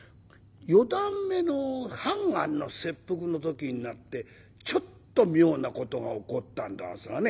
四段目の判官の切腹の時になってちょっと妙な事が起こったんですがね。